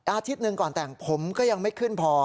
อาทิตย์หนึ่งก่อนแต่งผมก็ยังไม่ขึ้นพอ